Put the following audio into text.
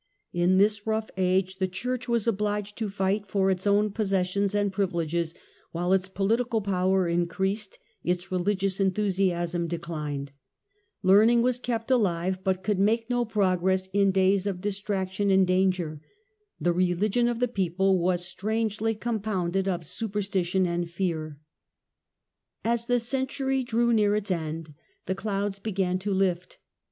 In this rough age the Church was obliged to fight INTRODUCTION 7 for its own possessions and privileges, and while its political power increased its religious enthusiasm de clined ; learning was kept alive, but could make no pro gress in days of distraction and danger ; the religion of the people was strangely compounded of superstition and fear. As the century drew near its end the clouds began Revival in to lift.